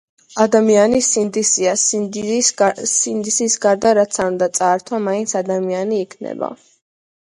ადამიანი სინდისია, სინდისის გარდა, რაც არ უნდა წაართვა, მაინც ადამიანი იქნება.